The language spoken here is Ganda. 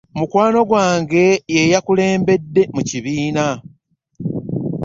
Mukwano gwange ye yakulembedde mu kibiina.